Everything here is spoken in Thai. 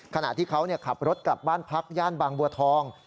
ขณะที่เขาขับรถกลับบ้านพักย่านบางบัวทอง